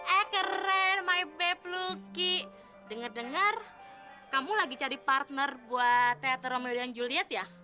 eh keren my bab lucky denger denger kamu lagi cari partner buat teater romeo dan juliet ya